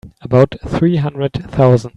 About three hundred thousand.